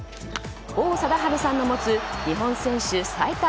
王貞治さんの持つ日本選手最多